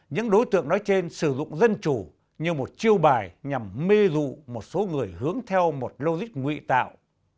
những đối tượng nói trên sử dụng dân chủ như một chiêu bài nhằm mê dụ một số người hướng theo một logic ngụy tạo